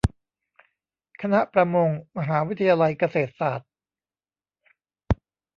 คณะประมง มหาวิทยาลัยเกษตรศาสตร์